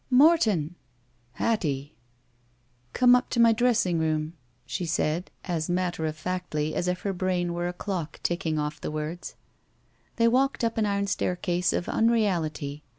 ''Morton!" •'Hattie." ''Come up to my dressing room/' she said, M XS7 THE SMUDGE matter of f actly as if her brain were a dock ticking off the words. They walked t^ an iron staircase of unreality.